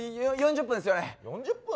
４０分ですよね。